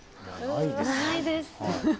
ないです。